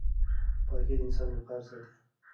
پاکي د انسان وقار ساتي.